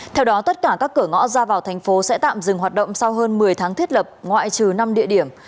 theo đó tất cả các cửa ngõ ra vào thành phố sẽ tạm dừng hoạt động sau hơn một mươi tháng thiết lập ngoại trừ năm địa điểm